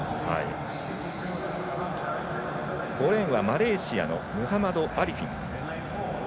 ５レーンはマレーシアのムハマドアリフィン。